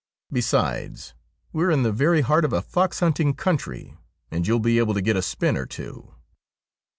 Besides, we are in the very heart of a fox hunting country, and you'll be able to get a spin or two.'